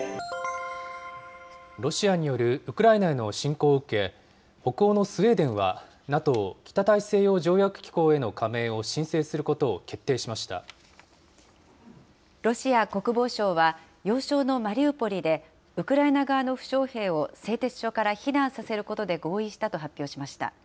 ロシアによるウクライナへの侵攻を受け、北欧のスウェーデンは、ＮＡＴＯ・北大西洋条約機構への加盟を申ロシア国防省は、要衝のマリウポリでウクライナ側の負傷兵を製鉄所から避難させることで合意したと発表しました。